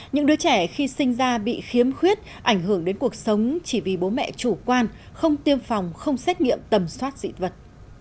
những đứa trẻ khi sinh ra bị khiếm khuyết ảnh hưởng đến cuộc sống chỉ vì bố mẹ chủ quan không tiêm phòng không xét nghiệm tầm soát dị vật